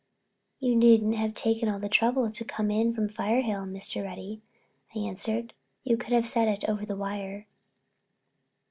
"You needn't have taken all the trouble to come in from Firehill, Mr. Reddy," I answered. "You could have said it over the wire."